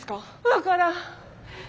分からん。